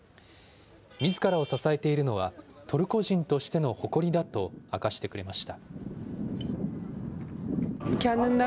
みずからを支えているのは、トルコ人としての誇りだと明かしてくれました。